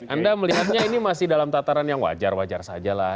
anda melihatnya ini masih dalam tataran yang wajar wajar saja lah